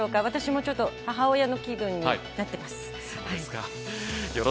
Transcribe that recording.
私も母親の気分になってます。